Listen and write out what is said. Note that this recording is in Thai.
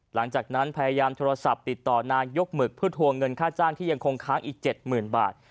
หลังจากนั้นพยายามโทรศัพท์ติดต่อนายกหมึกเพื่อทวงเงินค่าจ้างที่ยังคงค้างอีก๗๐๐๐บาท